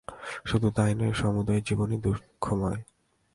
শুধু তাই নয়, সমুদয় জীবনই দুঃখময়।